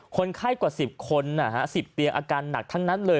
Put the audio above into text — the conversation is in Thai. คนไข้กว่า๑๐คน๑๐เตียงอาการหนักทั้งนั้นเลย